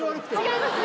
違います